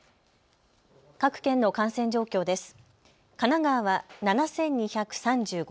各県の感染状況です。